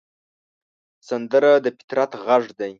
سندره د فطرت غږ دی